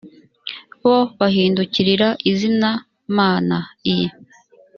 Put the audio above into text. bo bahindukirira izindi mana i